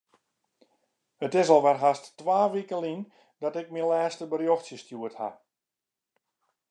It is alwer hast twa wike lyn dat ik myn lêste berjochtsje stjoerd haw.